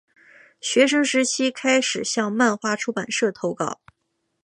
学生时期开始向漫画出版社投稿。